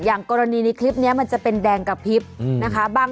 อย่างกรณีในคลิปนี้มันจะเป็นแดงกระพริบนะคะ